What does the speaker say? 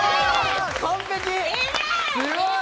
すごい！